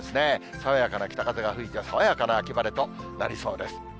爽やかな北風が吹いて、爽やかな秋晴れとなりそうです。